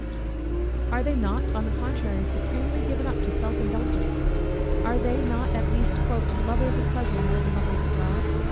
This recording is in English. Are they not, on the contrary, supremely given up to self indulgence? Are they not at least "lovers of pleasure more than lovers of God?"